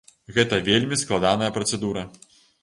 Гэта вельмі складаная працэдура.